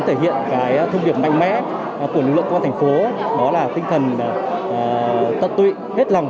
thể hiện cái thông điệp mạnh mẽ của lực lượng công an thành phố đó là tinh thần tận tụy hết lòng